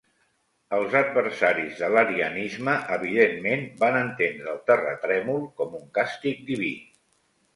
Els adversaris de l'arianisme evidentment van entendre el terratrèmol com un càstig diví.